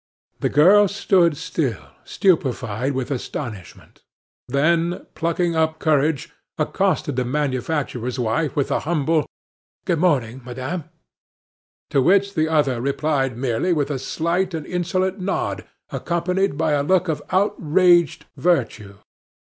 The girl stood still, stupefied with astonishment; then, plucking up courage, accosted the manufacturer's wife with a humble "Good morning, madame," to which the other replied merely with a slight and insolent nod, accompanied by a look of outraged virtue.